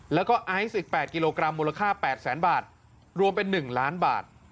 แล้วก็ไอซ์๑๘กิโลกรัมมูลค่า๘แสนบาทรวมเป็น๑ล้านบาท